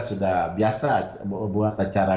sudah biasa buat acara